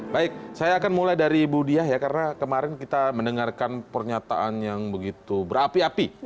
baik saya akan mulai dari bu diah ya karena kemarin kita mendengarkan pernyataan yang begitu berapi api